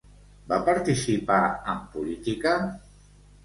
Va participar en política?